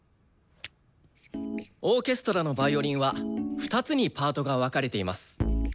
オーケストラのヴァイオリンは２つにパートが分かれています。